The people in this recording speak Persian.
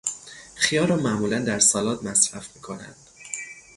خیار را معمولا در سالاد مصرف میکنند.